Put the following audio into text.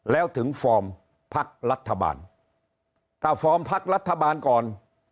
แล้วถึงฟอร์มพักรัฐบาลถ้าฟอร์มพักรัฐบาลก่อน